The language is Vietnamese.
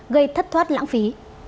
gây thất thoát lãng phí